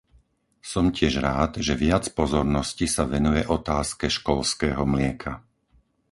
Som tiež rád, že viac pozornosti sa venuje otázke školského mlieka.